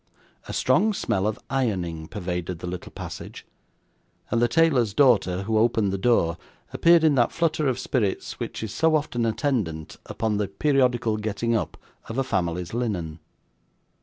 A strong smell of ironing pervaded the little passage; and the tailor's daughter, who opened the door, appeared in that flutter of spirits which is so often attendant upon the periodical getting up of a family's linen.